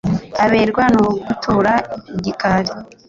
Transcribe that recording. aberwa no gutura igikari